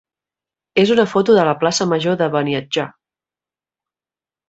és una foto de la plaça major de Beniatjar.